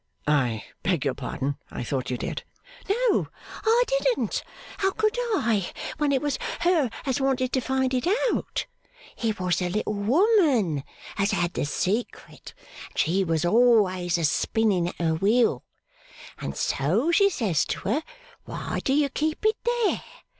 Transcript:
'I beg your pardon. I thought you did.' 'No, I didn't. How could I, when it was her as wanted to find it out? It was the little woman as had the secret, and she was always a spinning at her wheel. And so she says to her, why do you keep it there?